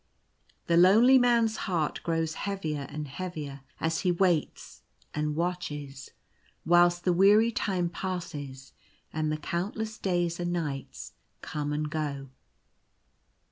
The lonely Man's heart grows heavier and heavier as he waits and watches, whilst the weary time passes and the countless days and nights come and go.